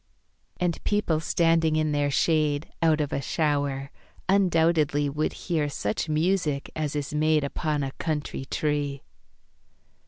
And people standing in their shade Out of a shower, undoubtedly Would hear such music as is made Upon a country tree.